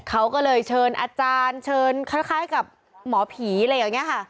เขาก็เลยเชิญอาจารย์เชิญคล้ายกับหมอผีอะไรอย่างนี้ค่ะ